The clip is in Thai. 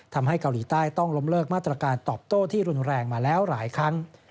ทำให้เกาหลีใต้ต้องล้มเลิกมาตรการตอบโต้ที่รุนแรงมาแล้วหลายครั้ง